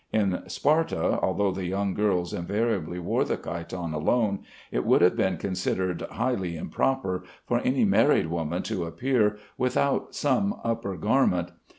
In Sparta, although the young girls invariably wore the chiton alone, it would have been considered highly improper for any married woman to appear without some upper garment.